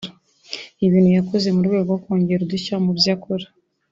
ibintu yakoze mu rwego rwo kongera udushya mu byo akora